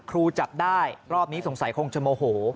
ครูจับได้รอบนี้สงสัยคงจะโมโห